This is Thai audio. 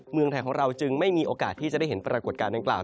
เมืองไทยของเราจึงไม่มีโอกาสที่จะได้เห็นปรากฏการณ์ดังกล่าว